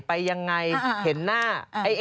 ไปยังไงเห็นหน้า